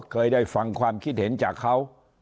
เคยได้ฟังความคิดเห็นจากเขา